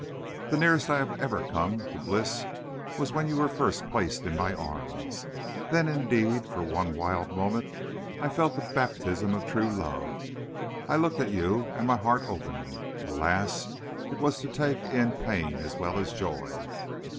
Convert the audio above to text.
The nearest I have ever come to bliss was when you were first placed in my arms. Then, indeed, for one wild moment, I felt the baptism of true love. I looked at you, and my heart opened. Alas! it was to take in pain as well as joy.